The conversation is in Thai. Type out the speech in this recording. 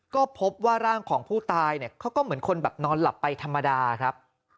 ก็พบว่าร่างของผู้ตายเนี่ยเขาก็เหมือนคนแบบนอนหลับไปธรรมดาครับ